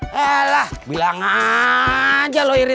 pengadilan viral di politikable